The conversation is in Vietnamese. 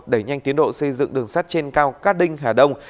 đẩy nhanh tiến độ xây dựng đường sắt trên cao cát đinh hà đông